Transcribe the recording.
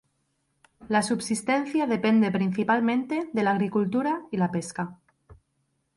La subsistencia depende principalmente de la agricultura y la pesca.